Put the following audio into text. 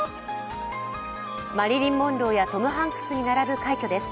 マリリン・モンローやトム・ハンクスに並ぶ快挙です。